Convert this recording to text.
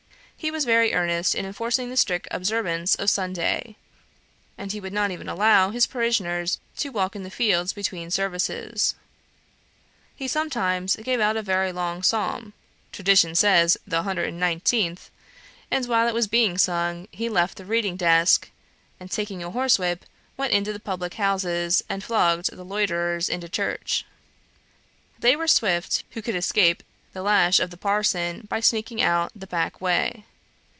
He was very earnest in enforcing the strict observance of Sunday; and would not even allow his parishioners to walk in the fields between services. He sometimes gave out a very long Psalm (tradition says the 119th), and while it was being sung, he left the reading desk, and taking a horsewhip went into the public houses, and flogged the loiterers into church. They were swift who could escape the lash of the parson by sneaking out the back way.